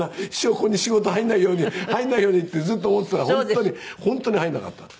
ここに仕事入らないように入らないようにってずっと思ってたら本当に本当に入らなかったんで。